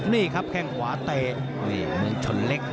นี่ครับแข่งขวาเตะมึงชนเล็ก